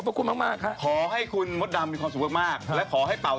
เป็นธรรมดา